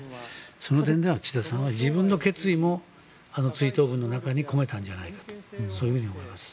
その点では岸田さんは自分の決意もあの追悼文の中に込めたんじゃないかとそういうふうに思います。